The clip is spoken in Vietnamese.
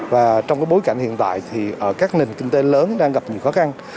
và trong bối cảnh hiện tại thì ở các nền kinh tế lớn đang gặp nhiều khó khăn